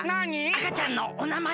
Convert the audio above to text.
あかちゃんのお名前は？